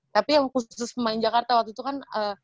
tapi yang khusus pemain jakarta waktu itu kan